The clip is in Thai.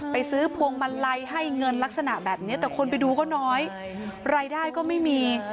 ไปซื้อพวงมาลัยให้เงินลักษณะแบบนี้แต่คนไปดูก็น้อยรายได้ก็ไม่มี